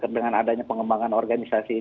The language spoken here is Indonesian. dengan adanya pengembangan organisasi